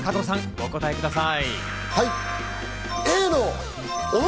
お答えください。